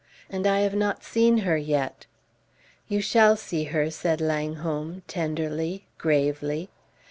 And I have not seen her yet!" "You shall see her," said Langholm, tenderly, gravely.